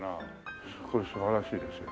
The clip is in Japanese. これ素晴らしいですよ。